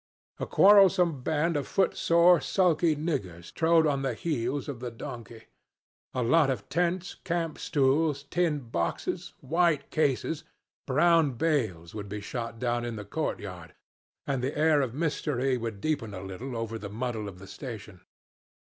A quarrelsome band of footsore sulky niggers trod on the heels of the donkeys; a lot of tents, camp stools, tin boxes, white cases, brown bales would be shot down in the courtyard, and the air of mystery would deepen a little over the muddle of the station.